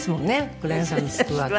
黒柳さんのスクワット。